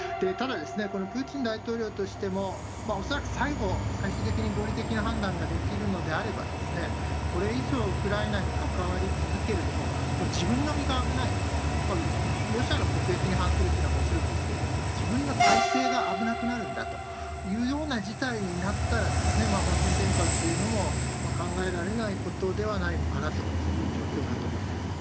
ただ、このプーチン大統領としても、恐らく最後、最終的に合理的な判断ができるのであれば、これ以上、ウクライナに関わり続けると、自分の身が危ないと、ロシアの国益に反するというのはもちろんですけれども、自分の体制が危なくなるんだというような事態になったら、方針転換というのも、考えられないことではないのかなと、そういう状況だと思います。